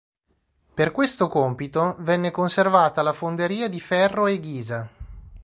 Per questo compito venne conservata la fonderia di ferro e ghisa.